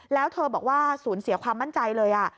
แล้วเธอบอกว่าสูญเสียความมั่นใจเลย